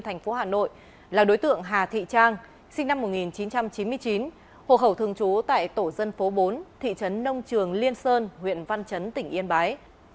thành phố hà nội là đối tượng hà thị trang sinh năm một nghìn chín trăm chín mươi chín hộ khẩu thường trú tại tổ dân phố bốn thị trấn nông trường liên sơn huyện văn chấn tỉnh yên bái